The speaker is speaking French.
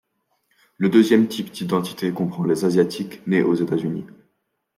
Le deuxième type d'identité comprend les Asiatiques nés aux États-Unis.